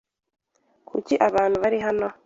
Kuki abantu bari hano?